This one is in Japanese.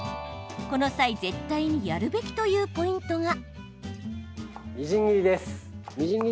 この際、絶対にやるべきというポイントが。